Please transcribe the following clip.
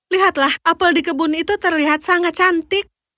lihatlah apel di kebun itu terlihat sangat cantik